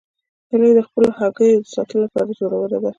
هیلۍ د خپلو هګیو د ساتلو لپاره زړوره ده